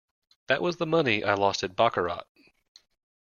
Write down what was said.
That was the money I lost at baccarat.